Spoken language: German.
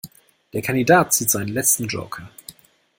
Der Kandidat zieht seinen letzten Joker.